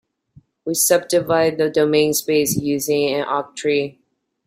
We subdivide the domain space using an octree.